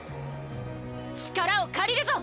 力を借りるぞ！